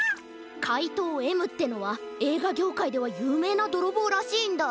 かいとうＭってのはえいがぎょうかいではゆうめいなどろぼうらしいんだ。